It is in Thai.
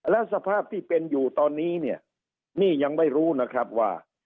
แล้วสภาพที่เป็นอยู่ตอนนี้เนี่ยนี่ยังไม่รู้นะครับว่า